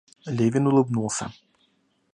Левин улыбнулся.